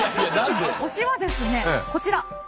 推しはですねこちら。